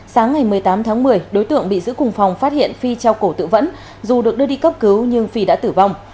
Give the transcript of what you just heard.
sáng ngày một mươi tám tháng một mươi đối tượng bị giữ cùng phòng phát hiện phi trao cổ tự vẫn dù được đưa đi cấp cứu nhưng phi đã tử vong